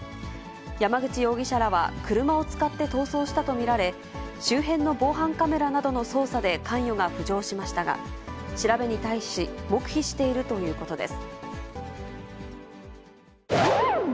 山口容疑者らは車を使って逃走したと見られ、周辺の防犯カメラなどの捜査で関与が浮上しましたが、調べに対し、黙秘しているということです。